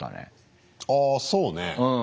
あそうね。